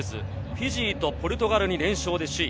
フィジーとポルトガルに連続で勝利。